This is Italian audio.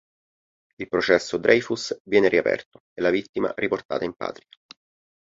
Il processo Dreyfus viene riaperto e la vittima riportata in patria.